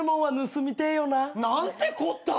盗みてえよな。